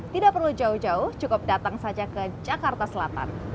tidak perlu jauh jauh cukup datang saja ke jakarta selatan